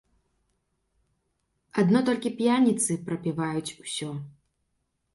Адно толькі п'яніцы прапіваюць усё.